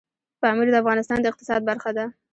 پامیر د افغانستان د اقتصاد برخه ده.